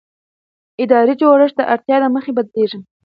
اداري جوړښت د اړتیا له مخې بدلېږي.